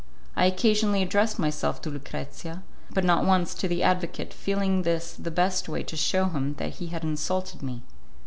I occasionally addressed myself to Lucrezia, but not once to the advocate, feeling this the best way to shew him that he had insulted me.